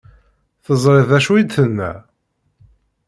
Teẓriḍ d acu i d-tenna?